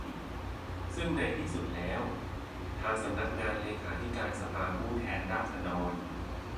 ซึ่งในที่สุดแล้วทางสำนักงานเลขาธิการสภาผู้แทนราษฎร